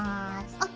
ＯＫ。